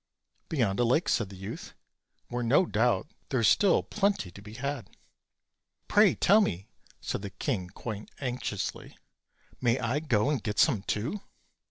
"Beyond a lake," said the youth, "where, no doubt, there is still plenty to be had." "Pray tell me," said the king quite anxiously, "may I go and get some too?"